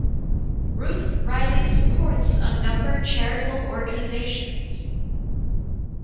Ruth Riley supports a number charitable organizations.